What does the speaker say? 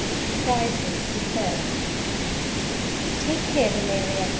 THE CRISIS DEFERRED. "TAKE care, Valeria!"